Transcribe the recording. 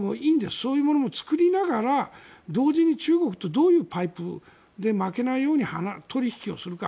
そういうのも作りながら同時に中国とどういうパイプで負けないように取引をするか。